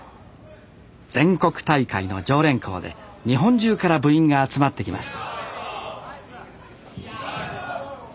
全国大会の常連校で日本中から部員が集まってきます